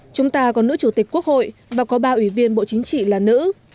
chúng ta có nữ chủ tịch quốc hội và có ba ủy viên bộ chính trị là nữ